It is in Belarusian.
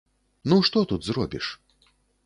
Ну што тут зробіш?